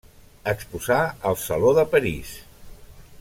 Exposà al Saló de París.